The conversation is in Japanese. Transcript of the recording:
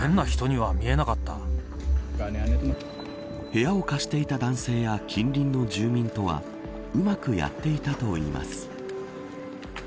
部屋を貸していた男性や近隣の住民とはうまくやっていたといいます。